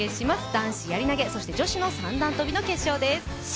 男子やり投げ、そして女子の三段跳びの決勝です。